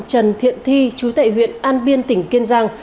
trần thiện thi chú tệ huyện an biên tỉnh kiên giang